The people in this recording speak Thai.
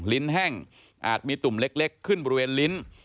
ลิ้นแห้งอาจมีตุ่มเล็กขึ้นบริเวณลิ้น